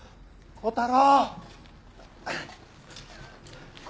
小太郎？